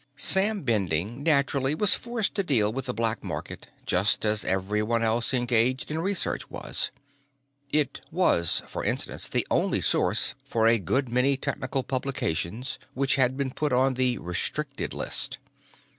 Sam Bending naturally was forced to deal with the black market, just as everyone else engaged in research was; it was, for instance, the only source for a good many technical publications which had been put on the Restricted List.